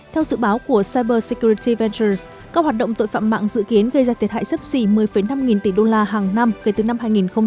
theo dự báo của cybersecurity ventures các hoạt động tội phạm mạng dự kiến gây ra thiệt hại sấp xỉ một mươi năm nghìn tỷ đô la hàng năm kể từ năm hai nghìn một mươi